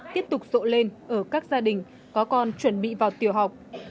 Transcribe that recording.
tiếp tục rộ lên ở các gia đình có con chuẩn bị vào tiểu học